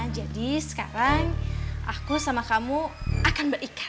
jadi sekarang aku sama kamu akan berikan